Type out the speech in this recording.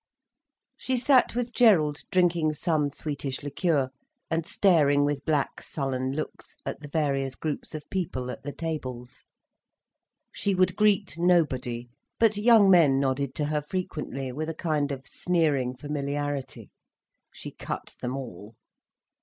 She sat with Gerald drinking some sweetish liqueur, and staring with black, sullen looks at the various groups of people at the tables. She would greet nobody, but young men nodded to her frequently, with a kind of sneering familiarity. She cut them all.